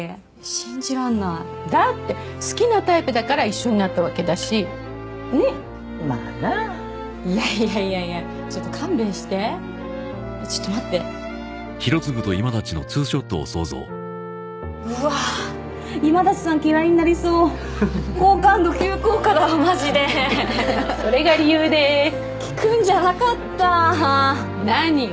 信じらんないだって好きなタイプだから一緒になったわけだしねえまあないやいやいやいやちょっと勘弁してちょっと待ってうわー今立さん嫌いになりそう好感度急降下だわマジでそれが理由でーす聞くんじゃなかった何よ